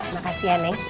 makasih ya neneng